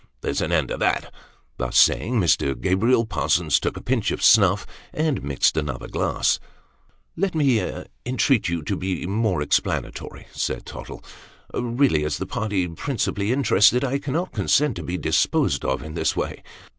There's an end of that." Thus saying, Mr. Gabriel Parsons took a pinch of snuff, and mixed another glass. " Let me entreat you to be more explanatory," said Tottle. " Eeally, as the party principally interested, I cannot consent to be disposed of, in this way."